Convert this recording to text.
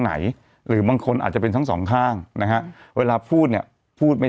หรือบางคนอาจจะเป็นทั้งสองข้างนะฮะเวลาพูดเนี่ยพูดไม่